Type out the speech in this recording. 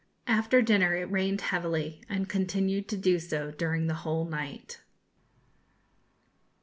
After dinner it rained heavily, and continued to do so during the whole night.